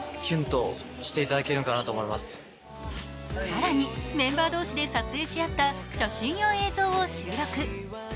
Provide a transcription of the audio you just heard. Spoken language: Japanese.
更に、メンバー同士で撮影し合った写真や映像を収録。